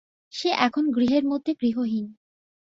সে এখন গৃহের মধ্যে গৃহহীন।